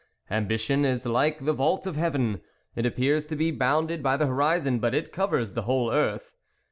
Ambi tion is like the vault of heaven ; it ap pears to be bounded by the horizon, but THE WOLF LEADER 109 it covers the whole earth.